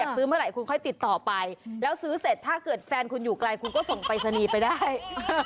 กรุงไคนที่ทุกที่เอาออกไปและสื้อเสร็จถ้าเกิดแฟนคุณอยู่ไกลคุณสนไปสนิไปได้